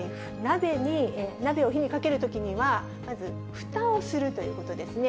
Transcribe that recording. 鍋を火にかけるときには、まずふたをするということですね。